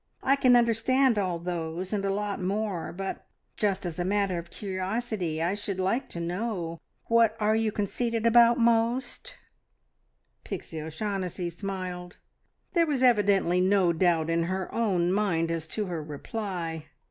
I can understand all those and a lot more, but, just as a matter of curiosity, I should like to know what are you conceited about most?" Pixie O'Shaughnessy smiled. There was evidently no doubt in her own mind as to her reply.